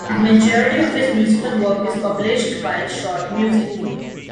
The majority of his musical work is published by Schott Music.